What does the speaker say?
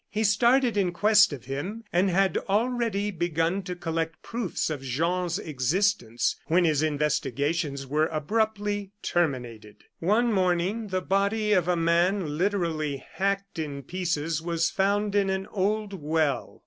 He started in quest of him, and had already begun to collect proofs of Jean's existence, when his investigations were abruptly terminated. One morning the body of a man literally hacked in pieces was found in an old well.